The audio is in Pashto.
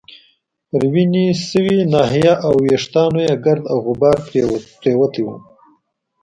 پر وینې شوې ناحیه او وریښتانو يې ګرد او غبار پرېوتی وو.